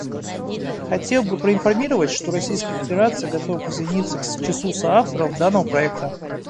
Хотел бы проинформировать, что Российская Федерация готова присоединиться к числу соавторов данного проекта.